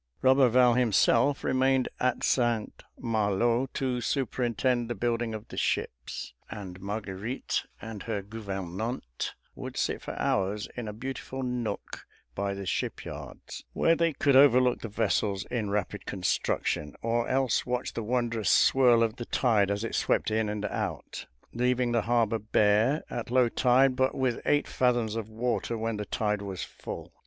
Roberval himself remained at St. Malo to superintend the building of the ships, and Marguerite and her gouvernante would sit for hours in a beautiful nook by the shipyards, where they could overlook the vessels in rapid construction, or else watch the wondrous swirl of the tide as it swept in and out, leaving the harbor bare at low tide, but with eight fathoms of water when the tide was full.